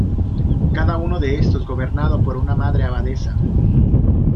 Cada uno de estos es gobernado por una madre abadesa.